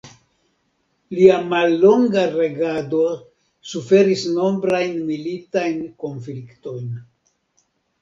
Lia mallonga regado suferis nombrajn militajn konfliktojn.